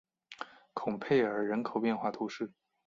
孔佩尔人口变化图示